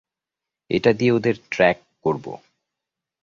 এটা দিয়ে ওদের ট্র্যাক করব।